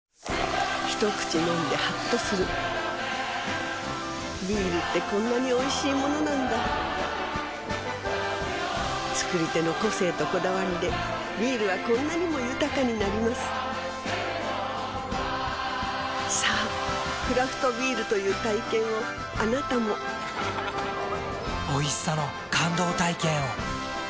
一口飲んでハッとするビールってこんなにおいしいものなんだ造り手の個性とこだわりでビールはこんなにも豊かになりますさぁクラフトビールという体験をあなたもおいしさの感動体験を。